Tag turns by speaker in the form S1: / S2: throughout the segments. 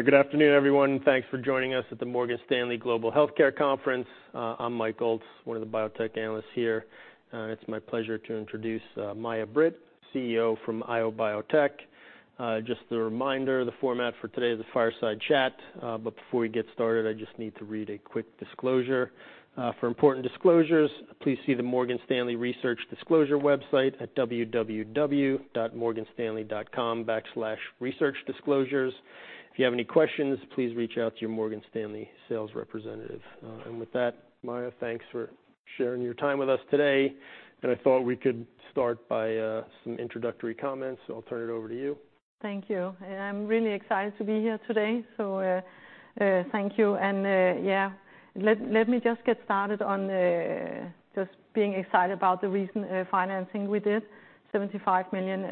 S1: Good afternoon, everyone, and thanks for joining us at the Morgan Stanley Global Healthcare Conference. I'm Mike Ulz, one of the biotech analysts here. It's my pleasure to introduce Mai-Britt Zocca, CEO from IO Biotech. Just a reminder, the format for today is a fireside chat. Before we get started, I just need to read a quick disclosure. For important disclosures, please see the Morgan Stanley Research Disclosure website at www.morganstanley.com/researchdisclosures. If you have any questions, please reach out to your Morgan Stanley sales representative. With that, Mai, thanks for sharing your time with us today, and I thought we could start by some introductory comments, so I'll turn it over to you.
S2: Thank you. And I'm really excited to be here today, so, thank you, and, yeah, let me just get started on, just being excited about the recent financing we did, $75 million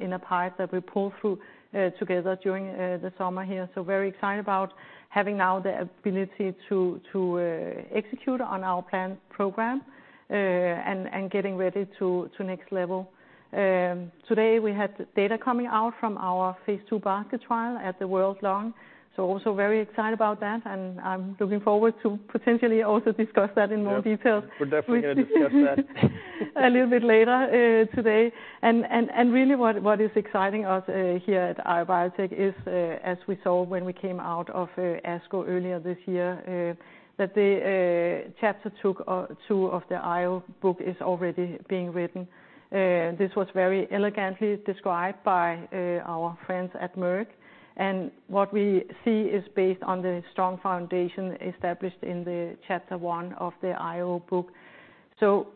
S2: in a pipe that we pulled through together during the summer here. So very excited about having now the ability to execute on our planned program, and getting ready to next level. Today, we had data coming out from our phase II basket trial at the World Lung, so also very excited about that, and I'm looking forward to potentially also discuss that in more detail.
S1: Yeah, we're definitely going to discuss that.
S2: A little bit later today. And really, what is exciting us here at IO Biotech is, as we saw when we came out of ASCO earlier this year, that the chapter two, two of the IO book is already being written. This was very elegantly described by our friends at Merck, and what we see is based on the strong foundation established in the chapter one of the IO book. So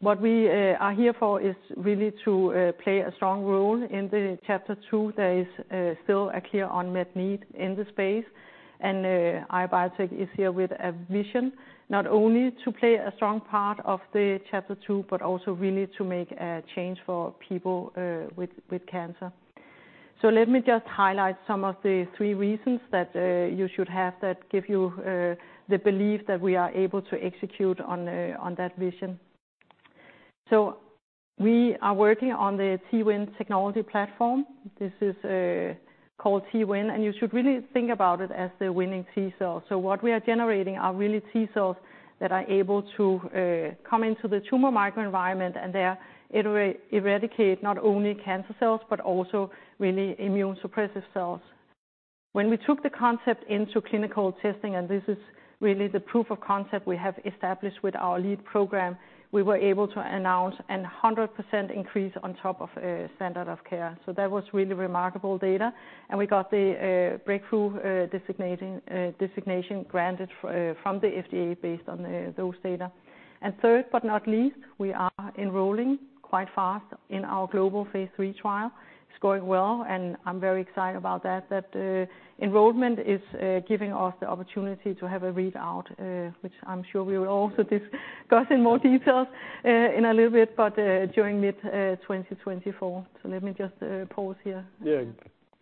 S2: what we are here for is really to play a strong role in the chapter two. There is still a clear unmet need in the space, and IO Biotech is here with a vision, not only to play a strong part of the chapter two, but also really to make a change for people with cancer. So let me just highlight some of the three reasons that, you should have that give you, the belief that we are able to execute on, on that vision. So we are working on the T-win technology platform. This is, called T-win, and you should really think about it as the winning T cell. So what we are generating are really T cells that are able to, come into the tumor microenvironment, and they eradicate not only cancer cells, but also really immune suppressive cells. When we took the concept into clinical testing, and this is really the proof of concept we have established with our lead program, we were able to announce a 100% increase on top of, standard of care. So that was really remarkable data, and we got the breakthrough designation granted from the FDA based on those data. And third, but not least, we are enrolling quite fast in our global phase III trial. It's going well, and I'm very excited about that enrollment is giving us the opportunity to have a readout, which I'm sure we will also discuss in more details in a little bit, but during mid-2024. So let me just pause here.
S1: Yeah,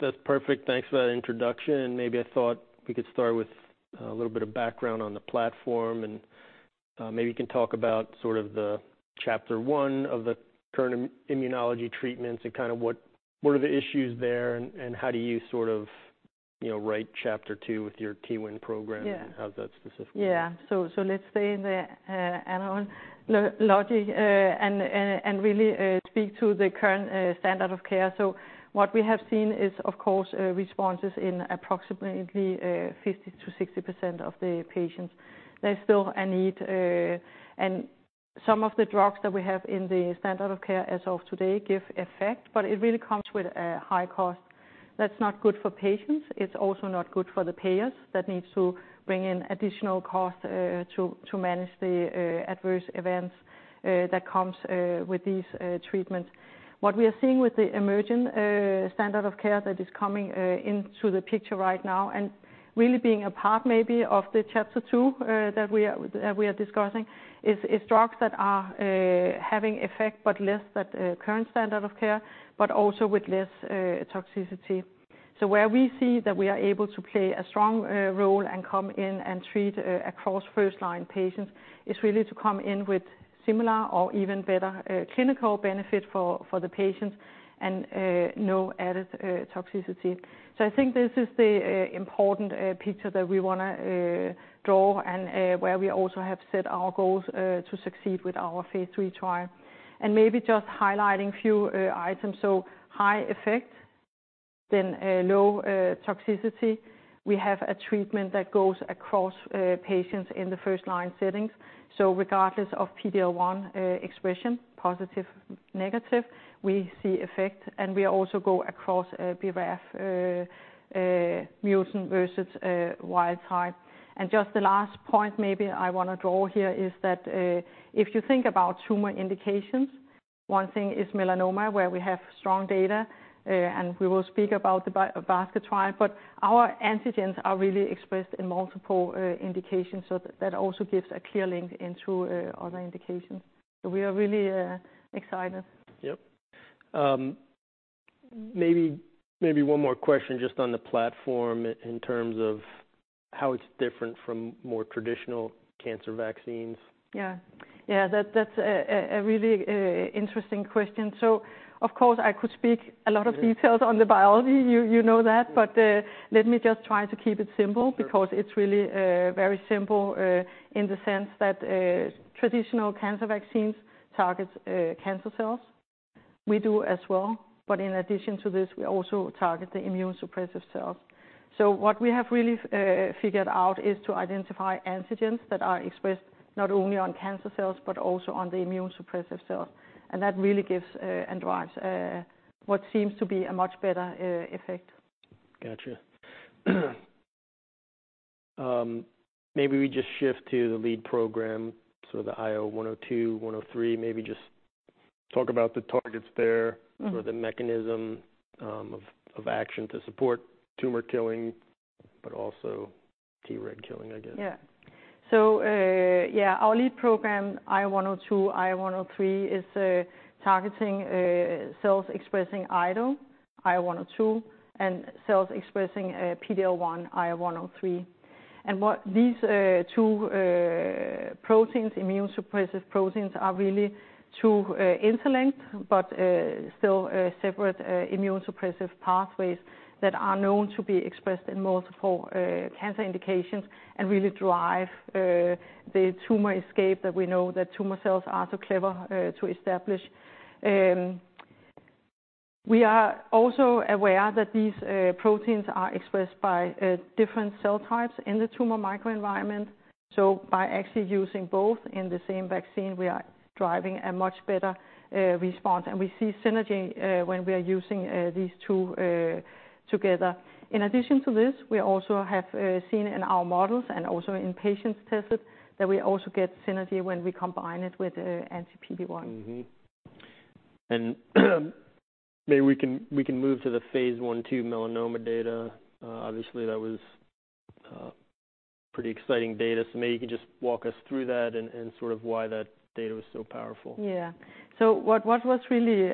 S1: that's perfect. Thanks for that introduction. And maybe I thought we could start with a little bit of background on the platform, and maybe you can talk about sort of the chapter one of the current immunology treatments and kind of what are the issues there, and how do you sort of, you know, write chapter two with your T-win program-
S2: Yeah
S1: How's that specifically?
S2: Yeah. So let's stay in the add-on logic and really speak to the current standard of care. So what we have seen is, of course, responses in approximately 50%-60% of the patients. There's still a need and some of the drugs that we have in the standard of care as of today give effect, but it really comes with a high cost. That's not good for patients. It's also not good for the payers that needs to bring in additional cost to manage the adverse events that comes with these treatments. What we are seeing with the emerging standard of care that is coming into the picture right now, and really being a part, maybe, of the chapter two that we are discussing, is drugs that are having effect, but less than the current standard of care, but also with less toxicity. So where we see that we are able to play a strong role and come in and treat across first-line patients, is really to come in with similar or even better clinical benefit for the patients and no added toxicity. So I think this is the important picture that we wanna draw, and where we also have set our goals to succeed with our phase III trial. And maybe just highlighting a few items, so high effect, then low toxicity. We have a treatment that goes across patients in the first-line settings. So regardless of PD-L1 expression, positive, negative, we see effect, and we also go across BRAF mutant versus wild type. And just the last point maybe I wanna draw here is that if you think about tumor indications, one thing is melanoma, where we have strong data, and we will speak about the basket trial, but our antigens are really expressed in multiple indications, so that also gives a clear link into other indications. So we are really excited.
S1: Yep. Maybe, maybe one more question just on the platform in terms of how it's different from more traditional cancer vaccines?
S2: Yeah. Yeah, that's a really interesting question. So of course, I could speak a lot of details on the biology, you know that. But, let me just try to keep it simple, because it's really very simple, in the sense that, traditional cancer vaccines targets cancer cells. We do as well, but in addition to this, we also target the immune suppressive cells. So what we have really figured out is to identify antigens that are expressed not only on cancer cells, but also on the immune suppressive cells, and that really gives and drives what seems to be a much better effect.
S1: Gotcha. Maybe we just shift to the lead program, so the IO102-IO103, maybe just talk about the targets there.
S2: Mm.
S1: Or the mechanism of action to support tumor killing, but also T-reg killing, I guess.
S2: Yeah. So, yeah, our lead program, IO102, IO103, is targeting cells expressing IDO, IO102, and cells expressing PD-L1, IO103. And what these two proteins, immune suppressive proteins, are really two interlinked, but still separate immune suppressive pathways that are known to be expressed in multiple cancer indications and really drive the tumor escape that we know that tumor cells are so clever to establish. We are also aware that these proteins are expressed by different cell types in the tumor microenvironment. So by actually using both in the same vaccine, we are driving a much better response, and we see synergy when we are using these two together. In addition to this, we also have seen in our models and also in patients tested, that we also get synergy when we combine it with anti-PD-1.
S1: Mm-hmm. And, maybe we can, we can move to the phase I/II melanoma data. Obviously, that was pretty exciting data. So maybe you can just walk us through that and, and sort of why that data was so powerful.
S2: Yeah. So what was really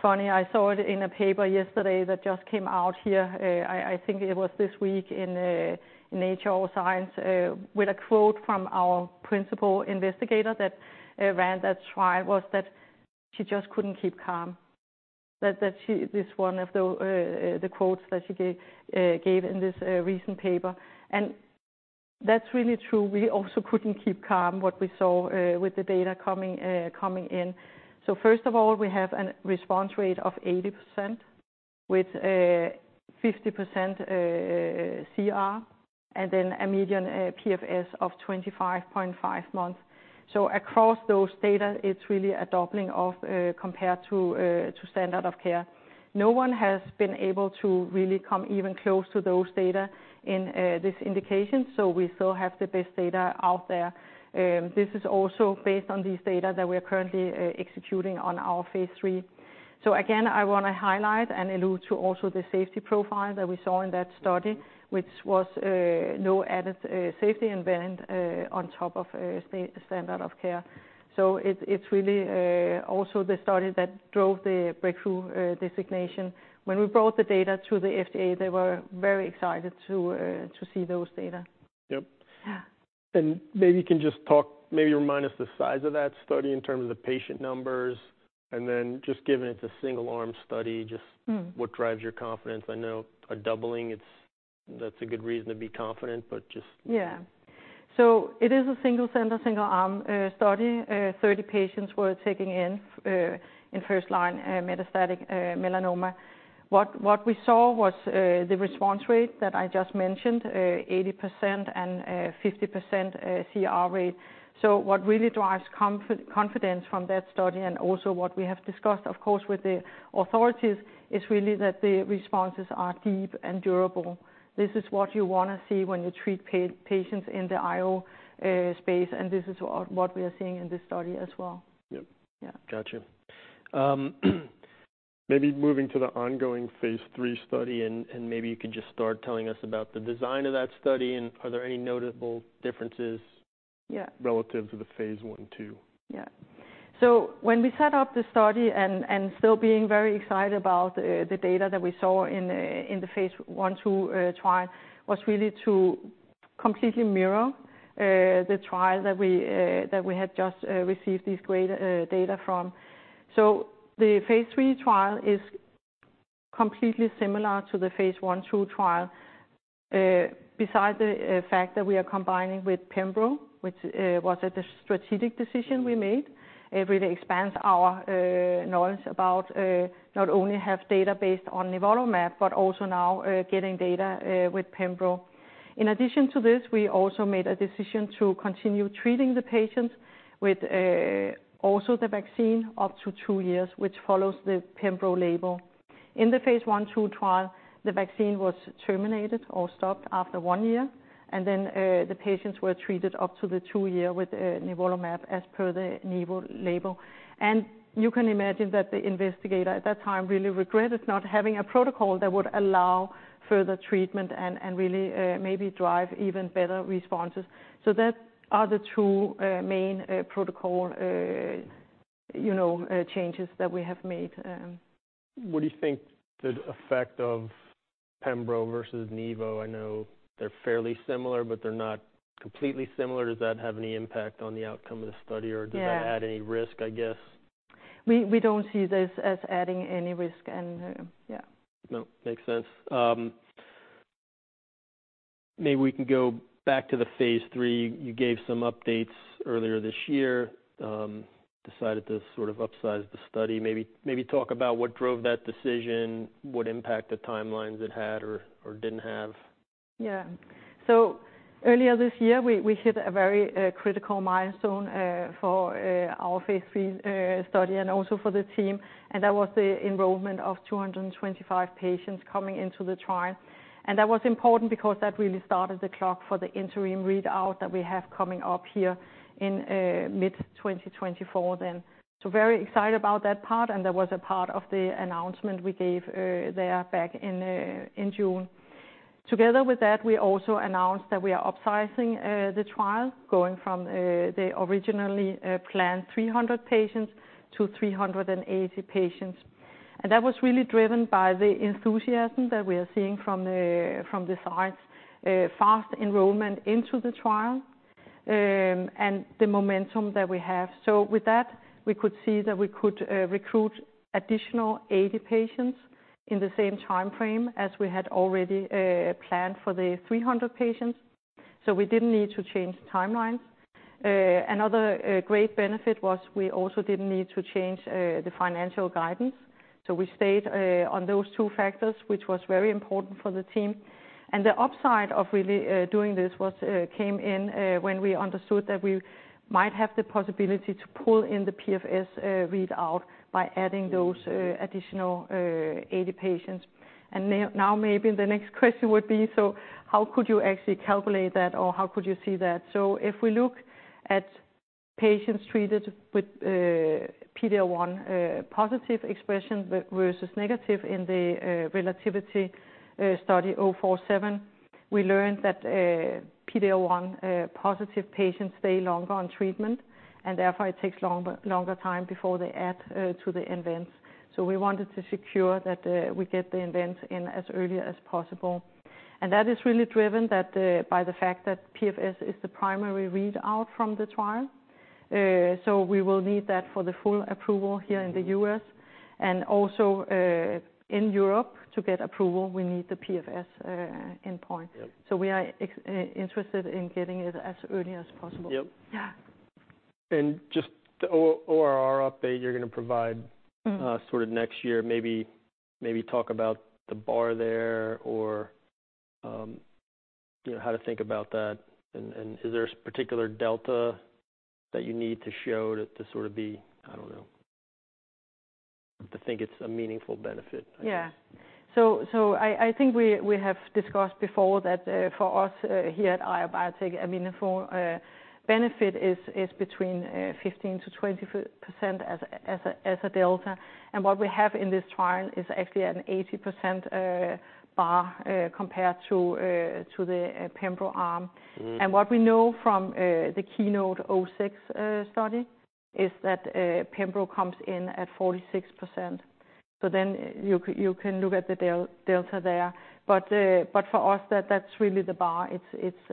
S2: funny, I saw it in a paper yesterday that just came out here. I think it was this week in Nature or Science, with a quote from our principal investigator that ran that trial, was that she just couldn't keep calm. That she-- This one of the quotes that she gave in this recent paper. And that's really true. We also couldn't keep calm, what we saw with the data coming in. So first of all, we have a response rate of 80%, with a 50% CR, and then a median PFS of 25.5 months. So across those data, it's really a doubling of, compared to standard of care. No one has been able to really come even close to those data in this indication, so we still have the best data out there. This is also based on these data that we are currently executing on our phase III. So again, I want to highlight and allude to also the safety profile that we saw in that study, which was no added safety event on top of standard of care. So it's really also the study that drove the breakthrough designation. When we brought the data to the FDA, they were very excited to see those data.
S1: Yep.
S2: Yeah.
S1: Maybe you can just talk, maybe remind us the size of that study in terms of the patient numbers, and then just given it's a single-arm study, just-
S2: Mm.
S1: What drives your confidence? I know a doubling, it's-- that's a good reason to be confident, but just-
S2: Yeah. So it is a single center, single-arm study. 30 patients were taking in, in first line metastatic melanoma. What we saw was the response rate that I just mentioned, 80% and 50% CR rate. So what really drives confidence from that study, and also what we have discussed, of course, with the authorities, is really that the responses are deep and durable. This is what you want to see when you treat patients in the IO space, and this is what we are seeing in this study as well.
S1: Yep.
S2: Yeah.
S1: Gotcha. Maybe moving to the ongoing phase III study, and maybe you could just start telling us about the design of that study, and are there any notable differences-
S2: Yeah...
S1: relative to the phase I/II?
S2: Yeah. So when we set up the study and, and still being very excited about, the data that we saw in, in the phase I/II, trial, was really to completely mirror, the trial that we, that we had just, received these great, data from. So the phase III trial is completely similar to the phase I/II trial, besides the, fact that we are combining with, which, was a strategic decision we made. It really expands our, knowledge about, not only have data based on nivolumab, but also now, getting data, with pembro. In addition to this, we also made a decision to continue treating the patients with, also the vaccine up to two years, which follows the pembro label. In the phase I/II trial, the vaccine was terminated or stopped after one year, and then, the patients were treated up to the two year with, nivolumab, as per the nivo label. And you can imagine that the investigator at that time really regretted not having a protocol that would allow further treatment and, and really, maybe drive even better responses. So that are the two, main, protocol, changes.... you know, changes that we have made.
S1: What do you think the effect of pembro versus nivo? I know they're fairly similar, but they're not completely similar. Does that have any impact on the outcome of the study?
S2: Yeah.
S1: Or does that add any risk, I guess?
S2: We, we don't see this as adding any risk and, yeah.
S1: No, makes sense. Maybe we can go back to the phase III. You gave some updates earlier this year, decided to sort of upsize the study. Maybe talk about what drove that decision, what impact the timelines it had or didn't have.
S2: Yeah. So earlier this year, we hit a very critical milestone for our phase III study and also for the team, and that was the enrollment of 225 patients coming into the trial. And that was important because that really started the clock for the interim readout that we have coming up here in mid-2024 then. So very excited about that part, and that was a part of the announcement we gave there back in in June. Together with that, we also announced that we are upsizing the trial, going from the originally planned 300 patients to 380 patients. And that was really driven by the enthusiasm that we are seeing from the sites, fast enrollment into the trial, and the momentum that we have. So with that, we could see that we could recruit additional 80 patients in the same time frame as we had already planned for the 300 patients, so we didn't need to change timelines. Another great benefit was we also didn't need to change the financial guidance, so we stayed on those two factors, which was very important for the team. And the upside of really doing this was came in when we understood that we might have the possibility to pull in the PFS readout by adding those additional 80 patients. And now, maybe the next question would be: So how could you actually calculate that, or how could you see that? So if we look at patients treated with PD-L1 positive expression versus negative in the RELATIVITY-047 study, we learned that PD-L1 positive patients stay longer on treatment, and therefore it takes longer time before they add to the events. So we wanted to secure that we get the events in as early as possible. And that is really driven by the fact that PFS is the primary readout from the trial. So we will need that for the full approval here in the U.S. And also in Europe, to get approval, we need the PFS endpoint.
S1: Yep.
S2: We are interested in getting it as early as possible.
S1: Yep.
S2: Yeah.
S1: Just the ORR update you're going to provide-
S2: Mm-hmm
S1: - sort of next year, maybe, maybe talk about the bar there or, you know, how to think about that. And is there a particular delta that you need to show to sort of be, I don't know, to think it's a meaningful benefit, I guess?
S2: Yeah. So I think we have discussed before that, for us here at IO Biotech, I mean, for benefit is between 15%-20% as a delta. And what we have in this trial is actually an 80% bar compared to the pembro arm.
S1: Mm.
S2: What we know from the KEYNOTE-006 study is that pembro comes in at 46%. So then you can look at the delta there. But for us, that's really the bar. It's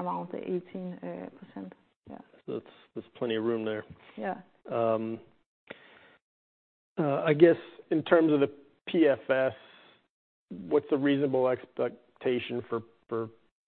S2: around 18%, yeah.
S1: There's plenty of room there.
S2: Yeah.
S1: I guess in terms of the PFS, what's the reasonable expectation for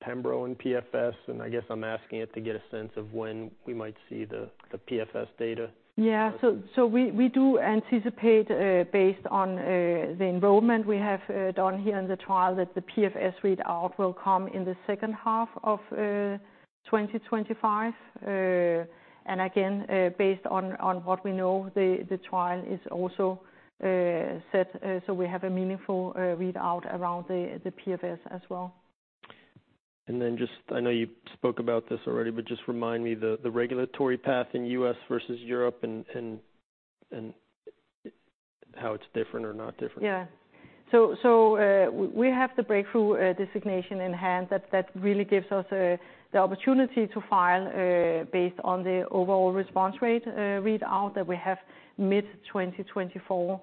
S1: pembro and PFS? And I guess I'm asking it to get a sense of when we might see the PFS data.
S2: Yeah. So we do anticipate, based on the enrollment we have done here in the trial, that the PFS readout will come in the second half of 2025. And again, based on what we know, the trial is also set so we have a meaningful readout around the PFS as well.
S1: And then just, I know you spoke about this already, but just remind me the regulatory path in the U.S. versus Europe and how it's different or not different?
S2: Yeah. So, we have the breakthrough designation in hand. That really gives us the opportunity to file based on the overall response rate readout that we have mid-2024.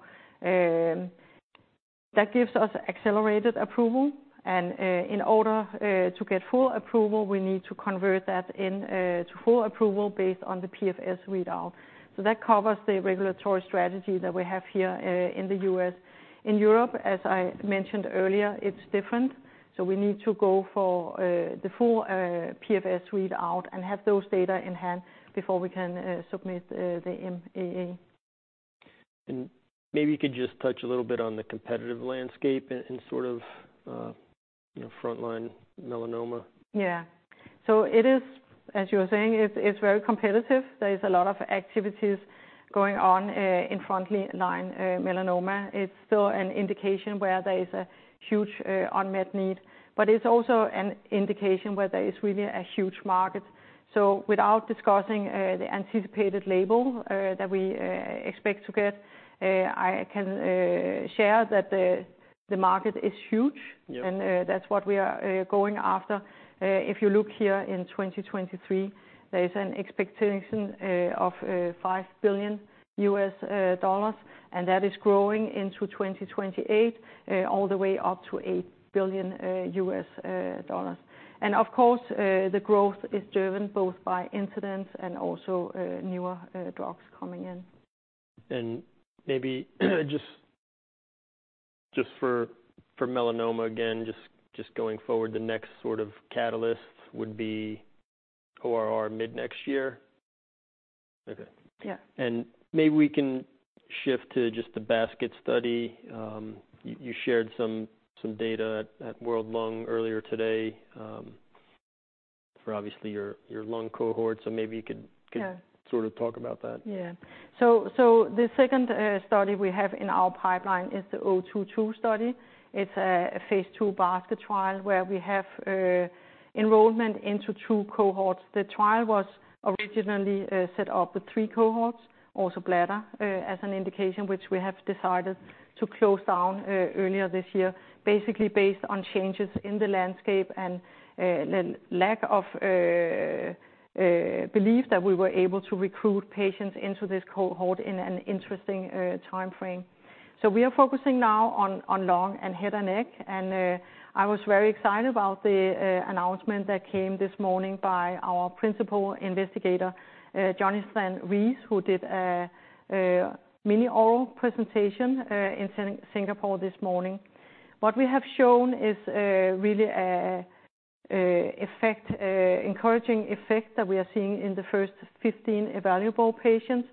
S2: That gives us accelerated approval, and in order to get full approval, we need to convert that to full approval based on the PFS readout. So that covers the regulatory strategy that we have here in the U.S. In Europe, as I mentioned earlier, it's different, so we need to go for the full PFS readout and have those data in hand before we can submit the MAA.
S1: Maybe you could just touch a little bit on the competitive landscape and sort of, you know, frontline melanoma.
S2: Yeah. So it is, as you were saying, it's very competitive. There is a lot of activities going on in frontline melanoma. It's still an indication where there is a huge unmet need, but it's also an indication where there is really a huge market. So without discussing the anticipated label that we expect to get, I can share that the market is huge.
S1: Yeah.
S2: That's what we are going after. If you look here in 2023, there is an expectation of $5 billion, and that is growing into 2028 all the way up to $8 billion. Of course, the growth is driven both by incidence and also newer drugs coming in.
S1: And maybe just for melanoma again, just going forward, the next sort of catalyst would be ORR mid-next year? Okay.
S2: Yeah.
S1: And maybe we can shift to just the basket study. You shared some data at World Lung earlier today, for obviously your lung cohort. So maybe you could-
S2: Yeah
S1: - sort of talk about that.
S2: Yeah. So, the second study we have in our pipeline is the IOB-022 study. It's a phase II basket trial, where we have enrollment into two cohorts. The trial was originally set up with three cohorts, also bladder as an indication, which we have decided to close down earlier this year. Basically, based on changes in the landscape and lack of belief that we were able to recruit patients into this cohort in an interesting time frame. So we are focusing now on lung and head and neck, and I was very excited about the announcement that came this morning by our principal investigator, Jonathan Riess, who did a mini oral presentation in Singapore this morning. What we have shown is really an effect, encouraging effect that we are seeing in the first 15 evaluable patients.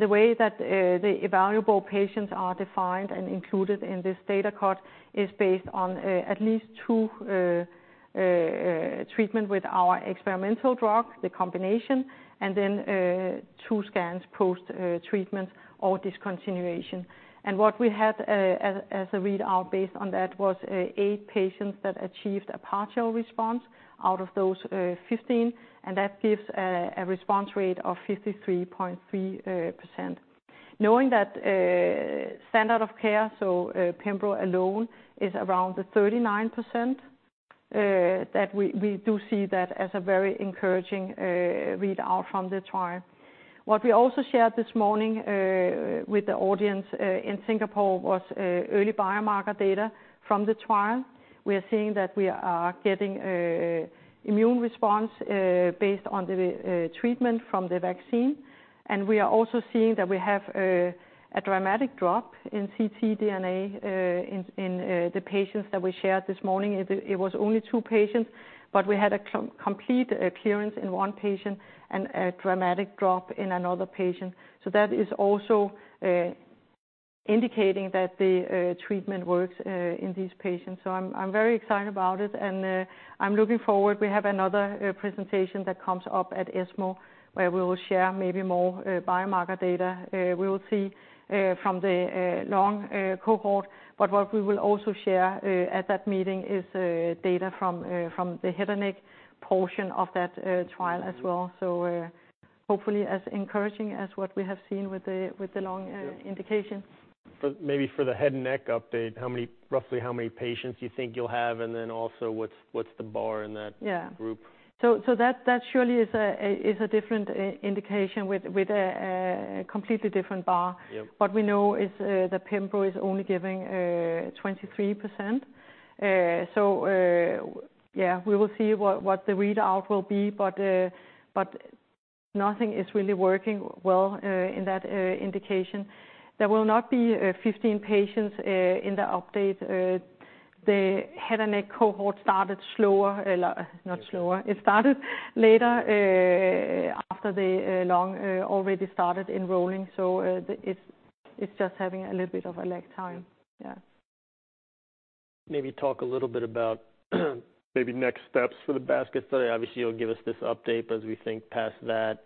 S2: The way that the evaluable patients are defined and included in this data cut is based on at least two treatments with our experimental drug, the combination, and then two scans post treatment or discontinuation. What we had as a readout based on that was eight patients that achieved a partial response out of those 15, and that gives a response rate of 53.3%. Knowing that standard of care, so pembro alone is around the 39%, that we do see that as a very encouraging readout from the trial. What we also shared this morning with the audience in Singapore was early biomarker data from the trial. We are seeing that we are getting an immune response based on the treatment from the vaccine. And we are also seeing that we have a dramatic drop in ctDNA in the patients that we shared this morning. It was only two patients, but we had a complete clearance in one patient and a dramatic drop in another patient. So that is also indicating that the treatment works in these patients. So I'm very excited about it, and I'm looking forward. We have another presentation that comes up at ESMO, where we will share maybe more biomarker data. We will see from the lung cohort, but what we will also share at that meeting is data from the head and neck portion of that trial as well. So, hopefully as encouraging as what we have seen with the lung indication.
S1: But maybe for the head and neck update, how many, roughly how many patients do you think you'll have? And then also, what's, what's the bar in that -
S2: Yeah
S1: - group?
S2: So that surely is a different indication with a completely different bar.
S1: Yep.
S2: What we know is, the pembro is only giving 23%. So, yeah, we will see what the readout will be, but nothing is really working well in that indication. There will not be 15 patients in the update. The head and neck cohort started slower, not slower. It started later, after the lung already started enrolling, so it's just having a little bit of a lag time.
S1: Yeah.
S2: Yeah.
S1: Maybe talk a little bit about, maybe next steps for the basket study. Obviously, you'll give us this update, but as we think past that,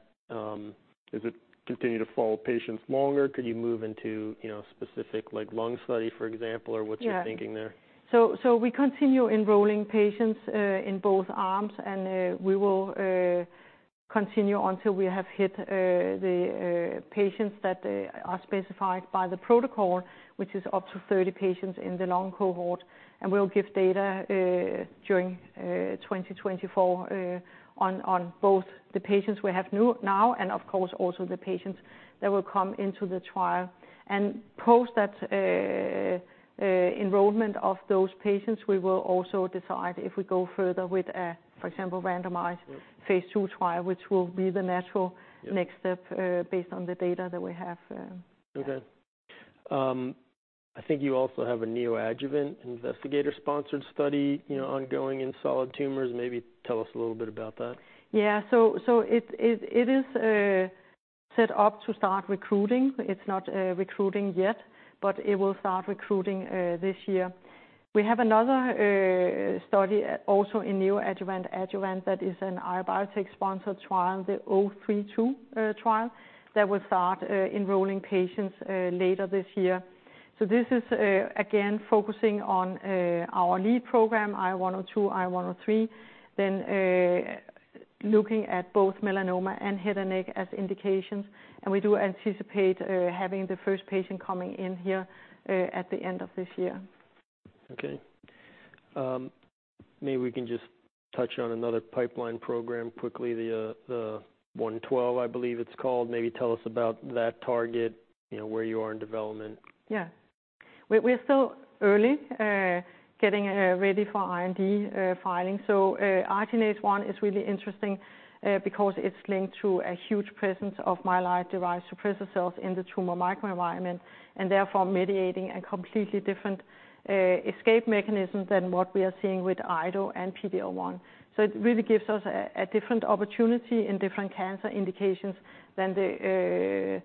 S1: is it continue to follow patients longer? Could you move into, you know, specific, like, lung study, for example, or what's your thinking there?
S2: Yeah. So, so we continue enrolling patients in both arms, and we will continue until we have hit the patients that are specified by the protocol, which is up to 30 patients in the lung cohort. And we'll give data during 2024 on both the patients we have now, and of course, also the patients that will come into the trial. And post that enrollment of those patients, we will also decide if we go further with a, for example, randomized-
S1: Sure
S2: - phase II trial, which will be the natural-
S1: Yeah
S2: Next step, based on the data that we have.
S1: Okay. I think you also have a neoadjuvant investigator-sponsored study, you know, ongoing in solid tumors. Maybe tell us a little bit about that.
S2: Yeah. So it is set up to start recruiting. It's not recruiting yet, but it will start recruiting this year. We have another study also in neoadjuvant adjuvant. That is an IO Biotech-sponsored trial, the IOB-032 trial, that will start enrolling patients later this year. So this is again focusing on our lead program, IO102-IO103, then looking at both melanoma and head and neck as indications. And we do anticipate having the first patient coming in here at the end of this year.
S1: Okay. Maybe we can just touch on another pipeline program quickly, the 112, I believe it's called. Maybe tell us about that target, you know, where you are in development.
S2: Yeah. We're still early getting ready for IND filing. So, arginase 1 is really interesting because it's linked to a huge presence of myeloid-derived suppressor cells in the tumor microenvironment, and therefore mediating a completely different escape mechanism than what we are seeing with IDO and PD-L1. So it really gives us a different opportunity in different cancer indications than the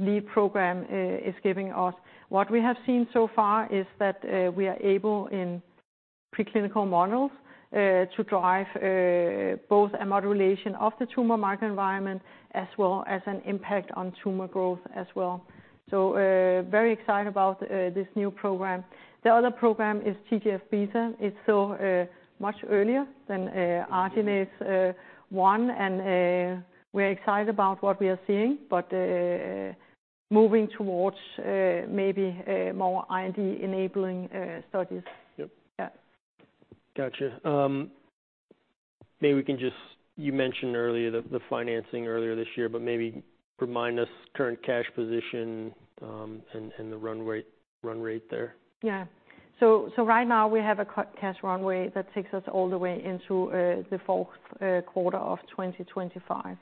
S2: lead program is giving us. What we have seen so far is that we are able, in preclinical models, to drive both a modulation of the tumor microenvironment as well as an impact on tumor growth as well. So, very excited about this new program. The other program is TGF-beta. It's still much earlier than arginase 1, and we're excited about what we are seeing, but moving towards maybe a more IND-enabling studies.
S1: Yep.
S2: Yeah.
S1: Gotcha. Maybe we can just. You mentioned earlier, the financing earlier this year, but maybe remind us current cash position, and the run rate there.
S2: Yeah. So right now, we have a cash runway that takes us all the way into the fourth quarter of 2025.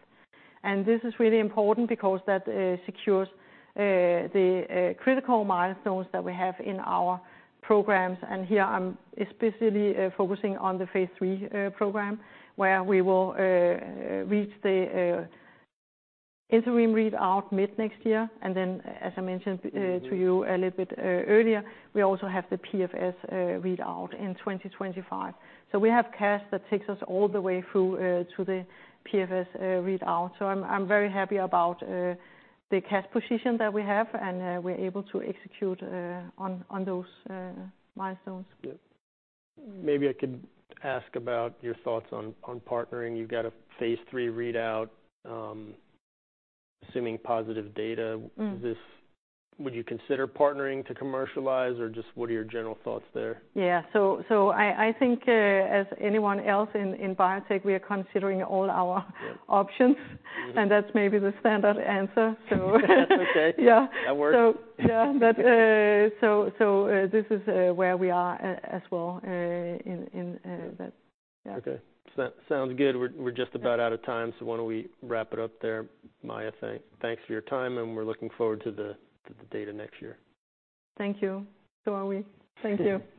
S2: And this is really important because that secures the critical milestones that we have in our programs. And here I'm especially focusing on the phase III program, where we will reach the interim readout mid-next year. And then, as I mentioned to you a little bit earlier, we also have the PFS readout in 2025. So we have cash that takes us all the way through to the PFS readout. So I'm very happy about the cash position that we have, and we're able to execute on those milestones.
S1: Yep. Maybe I could ask about your thoughts on partnering. You've got a phase III readout, assuming positive data-
S2: Mm.
S1: Would you consider partnering to commercialize, or just what are your general thoughts there?
S2: Yeah. So, I think, as anyone else in biotech, we are considering all our-
S1: Yep
S2: - options, and that's maybe the standard answer, so.
S1: That's okay.
S2: Yeah.
S1: That works.
S2: So yeah, but this is where we are as well, in that.
S1: Okay.
S2: Yeah.
S1: Sounds good. We're just about out of time, so why don't we wrap it up there, Mai? Thanks for your time, and we're looking forward to the data next year.
S2: Thank you. So are we. Thank you.